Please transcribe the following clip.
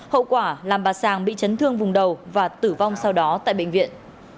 hậu quả làm bà sàng bị chấn thương vùng đầu và tử vong sau đó tại bệnh viện